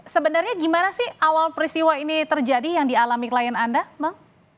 sebenarnya gimana sih awal peristiwa ini terjadi yang dialami klien anda bang